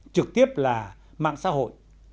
trực tiếp là mạng xã hội